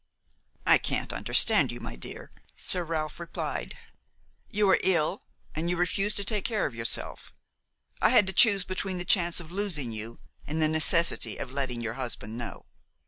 "I can't understand you, my dear," Sir Ralph replied; "you are ill and you refuse to take care of yourself. I had to choose between the chance of losing you and the necessity of letting your husband know."